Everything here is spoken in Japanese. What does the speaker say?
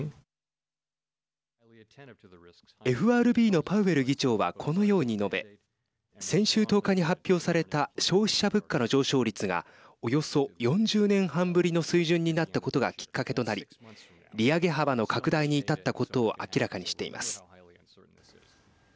ＦＲＢのパウエル議長はこのように述べ先週１０日に発表された消費者物価の上昇率がおよそ４０年半ぶりの水準になったことがきっかけとなり利上げ幅の拡大に至ったことを明らかにしています。